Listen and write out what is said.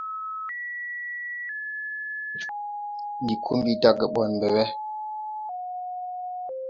Ndi ko mbi dage ɓɔn ɓɛ we.